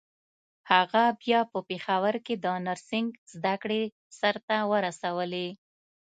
هغه بيا په پېښور کې د نرسنګ زدکړې سرته ورسولې.